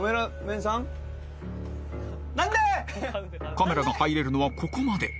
カメラが入れるのはここまで